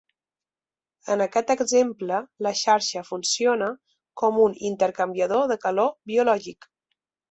En aquest exemple la xarxa funciona com un intercanviador de calor biològic.